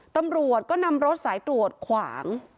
ตำรวจก็นำรถสายตรวจขวาง